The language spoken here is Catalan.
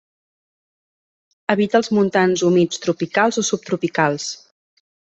Habita als montans humits tropicals o subtropicals.